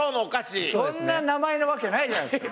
そんな名前なわけないじゃないですか。